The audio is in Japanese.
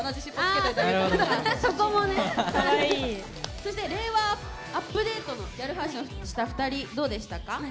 そして令和アップデートのギャルファッションした２人どうでしたか？